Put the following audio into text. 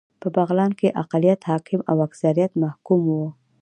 په بغلان کې اقليت حاکم او اکثريت محکوم و